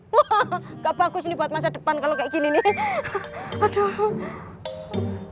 wah gak bagus ini buat masa depan kalau kayak gini nih